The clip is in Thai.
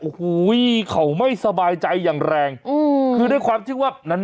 โอ้โหเขาไม่สบายใจอย่างแรงอืมคือด้วยความที่ว่านั้น